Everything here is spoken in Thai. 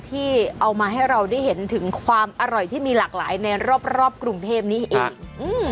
ที่เอามาให้เราได้เห็นถึงความอร่อยที่มีหลากหลายในรอบกรุงเทพนี้เอง